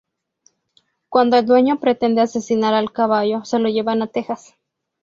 Cuando el Dueño pretende asesinar al Caballo se lo llevan a Texas.